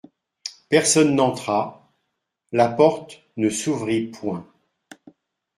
Personne n'entra ; la porte ne s'ouvrit point.